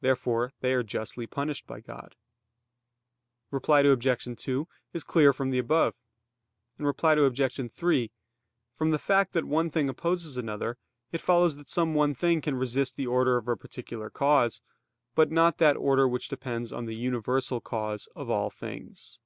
Therefore they are justly punished by God. Reply Obj. 2 is clear from the above. Reply Obj. 3: From the fact that one thing opposes another, it follows that some one thing can resist the order of a particular cause; but not that order which depends on the universal cause of all things.